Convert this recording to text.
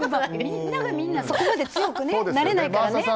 みんながみんなそこまで強くなれないからね。